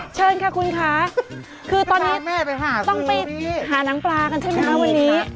เชิญค่ะคุณค่ะคือตอนนี้ต้องไปหานังปลากันใช่ไหมคะวันนี้